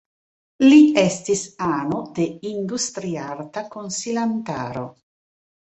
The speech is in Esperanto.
Li estis ano de Industriarta Konsilantaro.